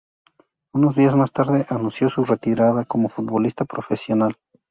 Unos días más tarde anunció su retirada como futbolista profesional.